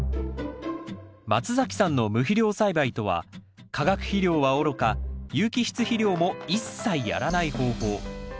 松崎さんの無肥料栽培とは化学肥料はおろか有機質肥料も一切やらない方法。